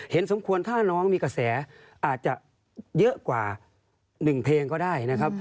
สมควรถ้าน้องมีกระแสอาจจะเยอะกว่า๑เพลงก็ได้นะครับ